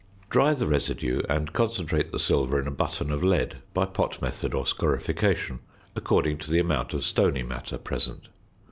Dry the residue and concentrate the silver in a button of lead by pot method or scorification, according to the amount of stony matter present.